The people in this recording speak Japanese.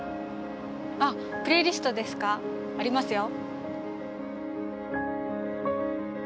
プレイリストですかありますよ。